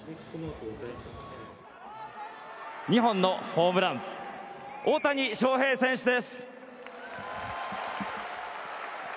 ２本のホームラン大谷翔平選手です！